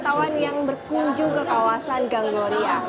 pemandu berkubur menuju ke kawasan gang gloria